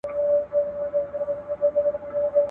خو چي زه مي د مرګي غېږي ته تللم.